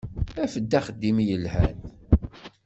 Af-d axeddim yelhan.